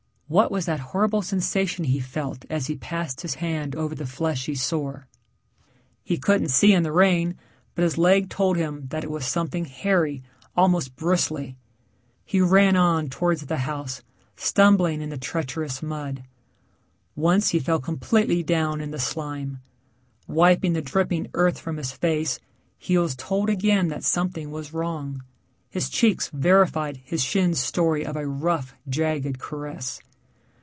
What was that horrible sensation he felt as he passed his hand over the fleshy sore? He couldn't see in the rain, but his leg told him that it was something hairy, almost bristly. He ran on towards the house, stumbling in the treacherous mud. Once he fell completely down in the slime. Wiping the dripping earth from his face, he was told again that something was wrong. His cheeks verified his shin's story of a rough, jagged caress.